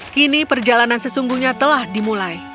kini perjalanan sesungguhnya telah dimulai